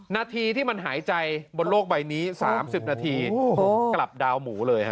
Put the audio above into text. นาทีที่มันหายใจบนโลกใบนี้๓๐นาทีกลับดาวหมูเลยฮ